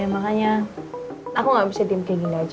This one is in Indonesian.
makanya aku nggak bisa diam kayak gini aja